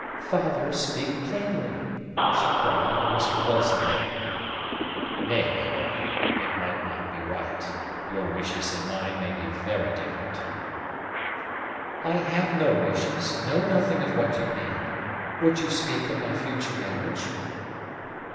"Father, speak plainly!" she cried, almost convulsively. "Nay, Mabel, it might not be right; your wishes and mine may be very different." "I have no wishes know nothing of what you mean. Would you speak of my future marriage?"